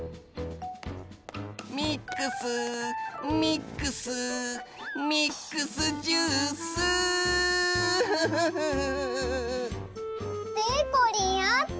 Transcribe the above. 「ミックスミックスミックスジュース」でこりんあった？